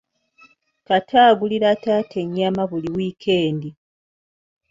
Kato agulira taata ennyama buli wiikendi.